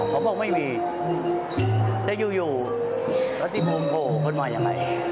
เขาบอกไม่มีแต่อยู่แล้วที่ผมโทรเพิ่มมาอย่างไร